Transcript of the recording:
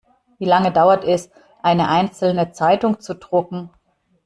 Wie lange dauert es, eine einzelne Zeitung zu drucken?